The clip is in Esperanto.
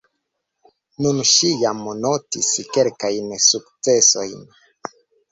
Nun ŝi jam notis kelkajn sukcesojn.